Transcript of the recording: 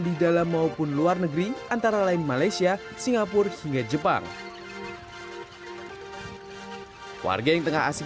di dalam maupun luar negeri antara lain malaysia singapura hingga jepang warga yang tengah asik